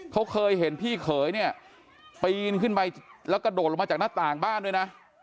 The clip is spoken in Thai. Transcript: เขาเคยเห็นพี่เขยเนี่ยปีนขึ้นไปแล้วกระโดดลงมาจากหน้าต่างบ้านด้วยนะ